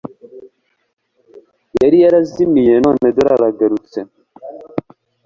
yari yarazimiye none dore aragarutse